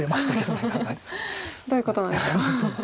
どういうことなんでしょう。